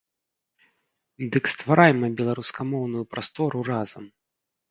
Дык стварайма беларускамоўную прастору разам!